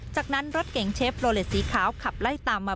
จากนั้นรถเก่งเชฟโลเลสสีขาวขับไล่ตามมา